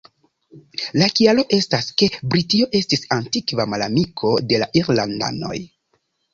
La kialo estas, ke Britio estis antikva malamiko de la irlandanoj.